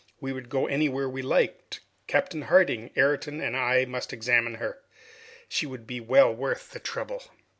We could go anywhere we liked! Captain Harding, Ayrton and I must examine her! She would be well worth the trouble!"